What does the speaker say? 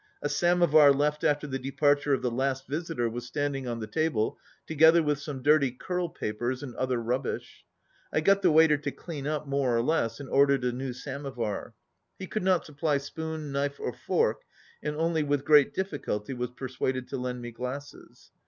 A samovar left after the departure of the last visitor was standing on the table, together with some dirty curl papers and other rubbish. I got the waiter to clean up more or less, and or dered a new samovar. He could not supply spoon, knife, or fork, and only with great diffi culty was persuaded to lend me glasses.